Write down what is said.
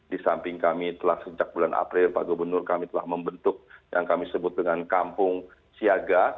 di samping kami telah sejak bulan april pak gubernur kami telah membentuk yang kami sebut dengan kampung siaga